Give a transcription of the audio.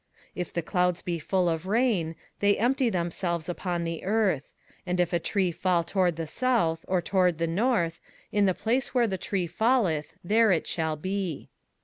21:011:003 If the clouds be full of rain, they empty themselves upon the earth: and if the tree fall toward the south, or toward the north, in the place where the tree falleth, there it shall be.